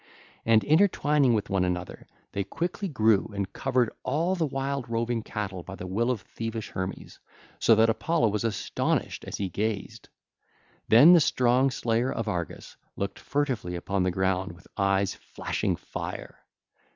And intertwining with one another, they quickly grew and covered all the wild roving cattle by the will of thievish Hermes, so that Apollo was astonished as he gazed. (ll. 414 435) Then the strong slayer of Argus looked furtively upon the ground with eyes flashing fire....